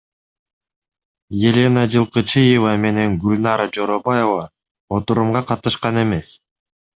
Елена Жылкычыева менен Гүлнара Жоробаева отурумга катышкан эмес.